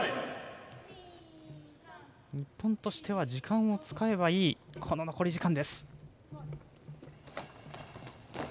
日本としては時間を使えばいい残り時間。